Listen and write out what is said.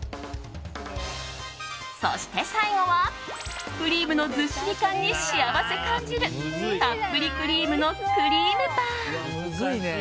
そして最後は、クリームのずっしり感に幸せ感じるたっぷりクリームのクリームパン。